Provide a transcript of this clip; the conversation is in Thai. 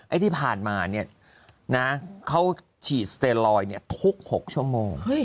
ไอ้ที่ผ่านมาเนี่ยนะเขาฉีดสเตรลอยด์เนี่ยทุกหกชั่วโมง